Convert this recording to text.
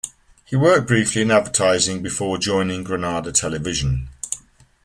He worked briefly in advertising before joining Granada Television.